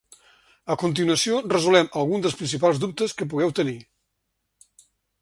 A continuació, resolem alguns dels principals dubtes que pugueu tenir.